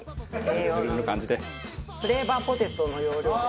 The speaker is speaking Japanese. フレーバーポテトの要領で。